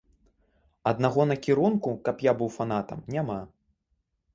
Аднаго накірунку, каб я быў фанатам, няма.